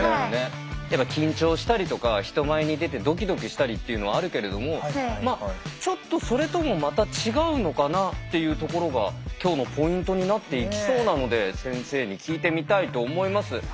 やっぱ緊張したりとか人前に出てドキドキしたりっていうのはあるけれどもちょっとそれともまた違うのかなっていうところが今日のポイントになっていきそうなので先生に聞いてみたいと思います。